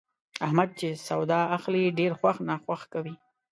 احمد چې سودا اخلي، ډېر خوښ ناخوښ کوي.